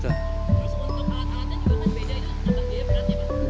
terus untuk kehatan kehatan juga kan beda dengan biaya beratnya